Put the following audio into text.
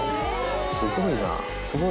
すごいな。